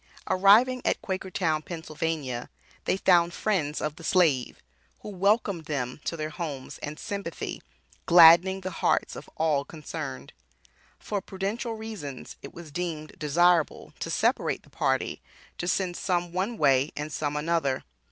Arriving at Quakertown, Pa., they found friends of the slave, who welcomed them to their homes and sympathy, gladdening the hearts of all concerned. For prudential reasons it was deemed desirable to separate the party, to send some one way and some another.